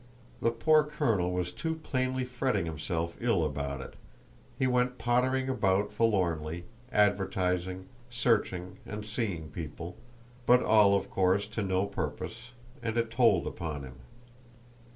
The poor colonel was too plainly fretting himself ill about it; he went pottering about forlornly, advertising, searching, and seeing people, but all, of course, to no purpose; and it told upon him.